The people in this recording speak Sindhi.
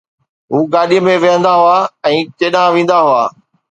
هو گاڏيءَ ۾ ويهندا هئا ۽ ڪيڏانهن ويندا هئا.